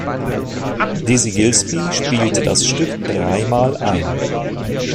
Dizzy Gillespie spielte das Stück dreimal ein.